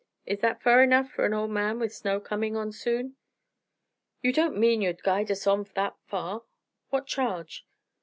Is that fur enough fer a ol' man, with snow comin' on soon?" "You don't mean you'd guide us on that far? What charge?"